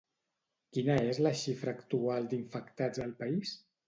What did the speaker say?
Quina és la xifra actual d'infectats al país?